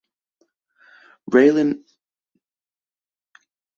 Raylan later meets with Boyd just as he is released from jail.